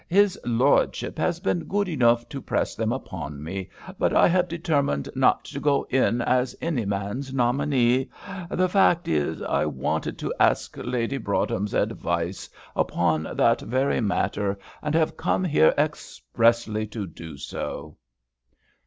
"His lordship has been good enough to press them upon me, but I have determined not to go in as any man's nominee. The fact is, I wanted to ask Lady Broadhem's advice upon that very matter, and have come here expressly to do so."